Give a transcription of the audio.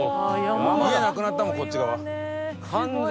家なくなったもんこっち側。